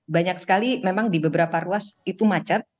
banyak sekali memang di beberapa ruas itu macet